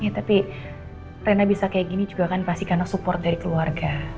tapi rena bisa kayak gini juga kan pasti karena support dari keluarga